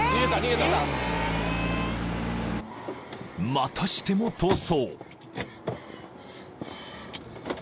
［またしても逃走］